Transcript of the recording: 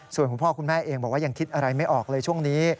ส่วนคุณพ่อคุณแม่เองบอกว่ายังคิดอะไรไม่ออกเลยช่วงนี้